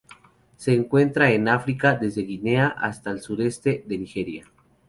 Se encuentran en África: desde Guinea hasta el sureste de Nigeria.